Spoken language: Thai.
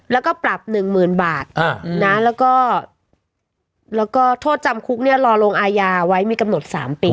แล้วก็ปรับ๑๐๐๐บาทนะแล้วก็โทษจำคุกเนี่ยรอลงอายาไว้มีกำหนด๓ปี